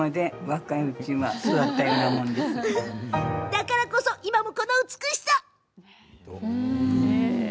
だからこそ、今もこの美しさ。